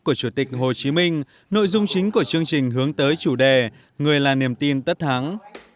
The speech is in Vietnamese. của chủ tịch hồ chí minh nội dung chính của chương trình hướng tới chủ đề người là niềm tin tất thắng